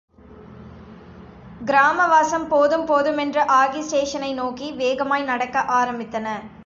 கிராமவாசம் போதும் போதுமென்று ஆகி ஸ்டேஷனை நோக்கி வேகமாய் நடக்க ஆரம்பித்தேன்.